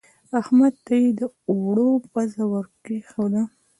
احمد ته يې د اوړو پزه ور کېښوده.